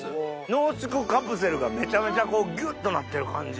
濃縮カプセルがめちゃめちゃこうギュっとなってる感じ。